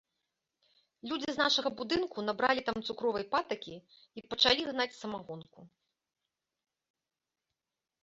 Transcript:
Людзі з нашага будынку набралі там цукровай патакі й пачалі гнаць самагонку.